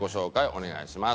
お願いします。